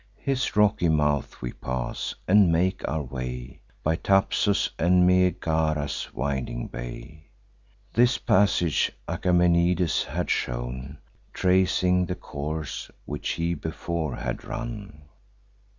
His rocky mouth we pass, and make our way By Thapsus and Megara's winding bay. This passage Achaemenides had shown, Tracing the course which he before had run.